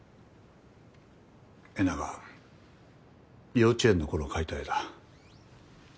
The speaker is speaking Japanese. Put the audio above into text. えなが幼稚園の頃描いた絵だ。